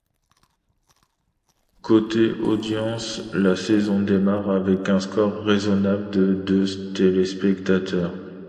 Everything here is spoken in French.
Côté audience, la saison démarre avec un score raisonnable de de téléspectateurs.